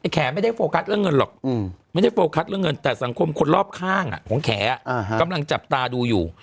แขไม่ได้โฟกัสเรื่องเงินหรอกไม่ได้โฟกัสเรื่องเงินแต่สังคมคนรอบข้างของแขกำลังจับตาดูอยู่